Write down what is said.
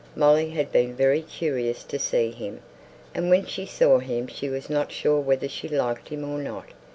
Molly had been very curious to see him; and when she saw him she was not sure whether she liked him or not.